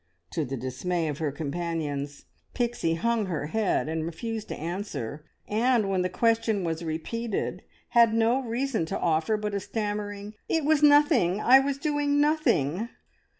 To the dismay of her companions, Pixie hung her head and refused to answer, and, when the question was repeated, had no reason to offer but a stammering, "It was nothing! I was doing nothing!"